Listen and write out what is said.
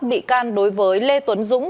bị can đối với lê tuấn dũng